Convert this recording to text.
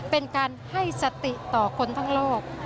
เป็นการให้สติต่อคนทั้งโลก